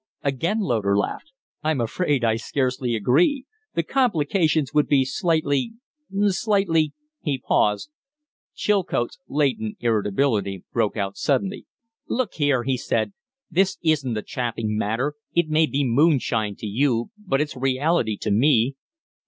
Again Loder laughed. "I'm afraid I scarcely agree. The complications would be slightly slightly " He paused. Chilcote's latent irritability broke out suddenly. "Look here," he said, "this isn't a chaffing matter, It may be moonshine to you, but it's reality to me."